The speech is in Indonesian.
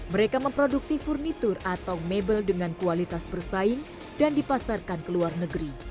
mereka memproduksi furnitur atau mebel dengan kualitas bersaing dan dipasarkan ke luar negeri